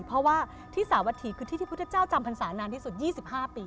เพราะว่าที่สาวัฐีคือที่ที่พุทธเจ้าจำพรรษานานที่สุด๒๕ปี